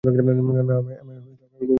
না, আমি ঘুম থেকে ভোর বেলায় উঠেছি।